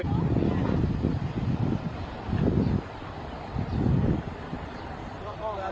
เฝอออกจากสร้างอาหาร